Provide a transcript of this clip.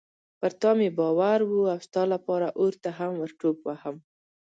پر تا مې باور و او ستا لپاره اور ته هم ورټوپ وهم.